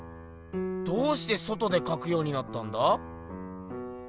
どうして外でかくようになったんだ？